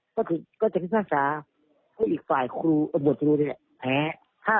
ก็จะพิษัตริย์การทำให้อีกฝ่ายครูอับวถสูรนู้นแผะ